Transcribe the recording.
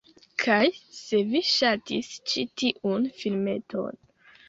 Kaj se vi ŝatis ĉi tiun filmeton